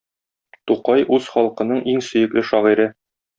Тукай үз халкының иң сөекле шагыйре.